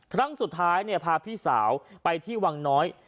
ครั้งสุดท้ายพาพี่สาวไปที่วังน้อย